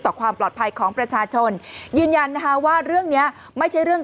ต่อความปลอดภัยของประชาชนยืนยันนะคะว่าเรื่องนี้ไม่ใช่เรื่อง